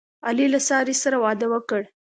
علي له سارې سره واده وکړ.